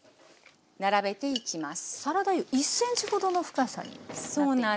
サラダ油１ｃｍほどの深さになっています。